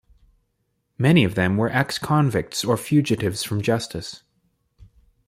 Many of them were ex-convicts or fugitives from justice.